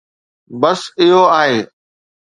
بس اهو آهي.